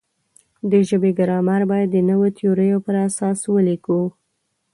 د ژبې ګرامر باید د نویو تیوریو پر اساس ولیکو.